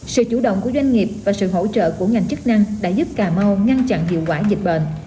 sự chủ động của doanh nghiệp và sự hỗ trợ của ngành chức năng đã giúp cà mau ngăn chặn hiệu quả dịch bệnh